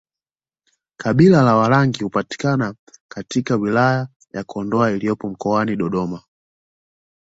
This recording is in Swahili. Kabila la Warangi hupatikana katika wilaya ya Kondoa iliyopo mkoani Dodoma